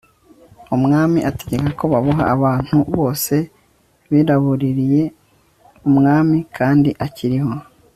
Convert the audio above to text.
umwami ategeka ko baboha abantu bose birabuririye umwami kandi akiriho